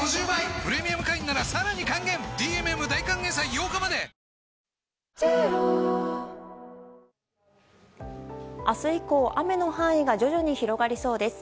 今日の東京も晴れて明日以降、雨の範囲が徐々に広がりそうです。